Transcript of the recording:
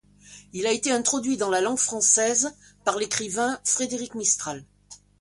Il a été introduit dans la langue française par l'écrivain Frédéric Mistral.